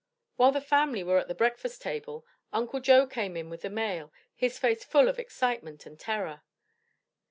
While the family were at the breakfast table, Uncle Joe came in with the mail, his face full of excitement and terror.